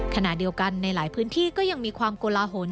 ขณะเดียวกันในหลายพื้นที่ก็ยังมีความโกลาหล